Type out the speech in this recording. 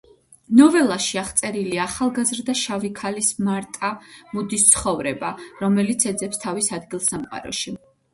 ნოველაში აღწერილია ახალგაზრდა შავი ქალის მარტა მუდის ცხოვრება, რომელიც ეძებს თავის ადგილს სამყაროში.